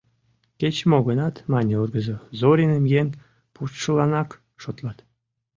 — Кеч-мо гынат, — мане ургызо, — Зориным еҥ пуштшыланак шотлат.